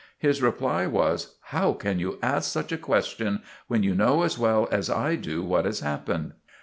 His reply was: "How can you ask such a question, when you know as well as I do what has happened?"